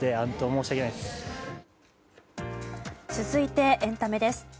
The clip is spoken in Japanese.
続いてエンタメです。